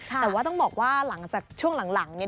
แต่ว่าต้องบอกว่าหลังจากช่วงหลังเนี่ย